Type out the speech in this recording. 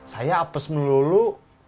saya apes melulu